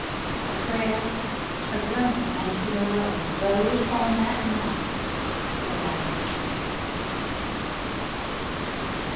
A prayer, a groan, and he alone Rode on that night from the gallows tree.